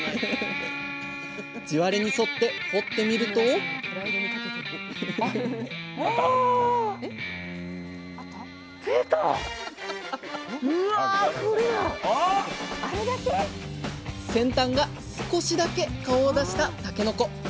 地割れに沿って掘ってみるとあれだけ⁉先端が少しだけ顔を出したたけのこ。